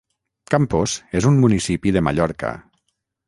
Campos és un municipi de Mallorca.